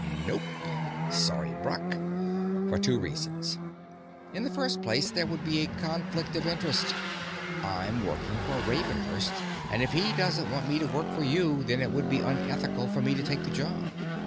"Nope. Sorry, Brock. For two reasons. In the first place, there would be a conflict of interest. I'm working for Ravenhurst, and if he doesn't want me to work for you, then it would be unethical for me to take the job.